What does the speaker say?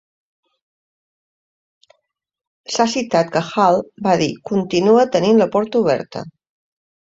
S'ha citat que Hall va dir "continua tenint la porta oberta".